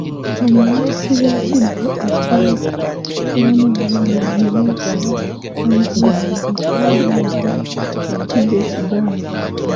Omulusi w'ekibbo ekyalulirwamu abaana alina okuba omwegendereza okulaba ng'aluka ekibbo ekiganda.